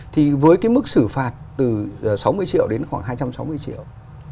thì với cái mức xử phạt từ sáu mươi triệu đến khoảng hai trăm sáu mươi triệu